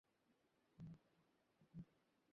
পাল্কির পাশে পাশে মথুর ডাক্তার আসছিলেন।